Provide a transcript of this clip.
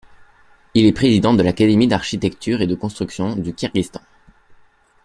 Il est président de l'académie d'architecture et de construction du Kirghizistan.